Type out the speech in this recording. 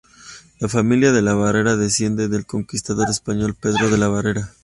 La familia de la Barrera desciende del conquistador español Pedro de la Barrera.